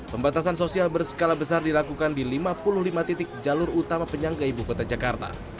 pembatasan sosial berskala besar dilakukan di lima puluh lima titik jalur utama penyangga ibu kota jakarta